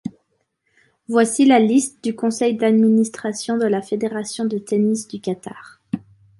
Voici la liste du conseil d'administration de la Fédération de tennis du Qatar.